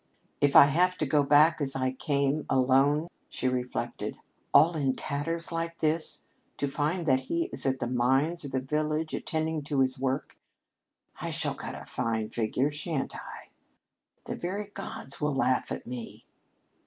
"If I have to go back as I came, alone," she reflected, "all in tatters like this, to find that he is at the mines or the village, attending to his work, I shall cut a fine figure, shan't I? The very gods will laugh at me."